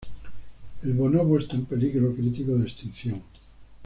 El bonobo está en peligro crítico de extinción.